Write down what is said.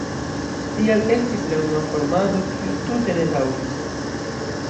Tial estis la unua formado, kiu tute ne daŭris.